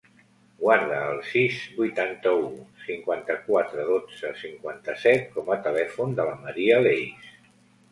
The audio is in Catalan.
Guarda el sis, vuitanta-u, cinquanta-quatre, dotze, cinquanta-set com a telèfon de la Maria Leis.